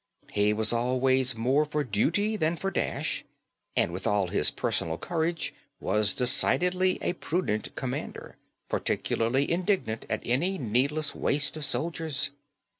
"He was always more for duty than for dash; and with all his personal courage was decidedly a prudent commander, particularly indignant at any needless waste of soldiers.